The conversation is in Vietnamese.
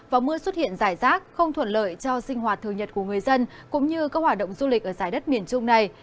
và mưa xuất hiện rải rác không thuận lợi cho sinh hoạt thường nhật của người dân cũng như các hoạt động du lịch ở giải đất miền trung này